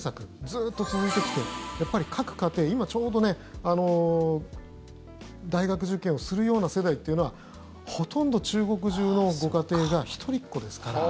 ずっと続いてきてやっぱり各家庭、今ちょうど大学受験をするような世代というのはほとんど中国中のご家庭が一人っ子ですから。